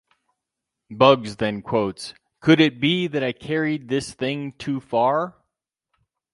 Bugs then quotes Could it be that I carried this thing too far?